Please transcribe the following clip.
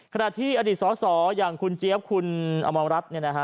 ขณะที่อดีตสอสออย่างคุณเจี๊ยบคุณอมรัฐเนี่ยนะฮะ